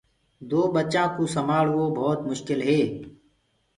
دو ٻچآنٚ ڪوُ سمآݪوو ڀوت مسڪِل هي۔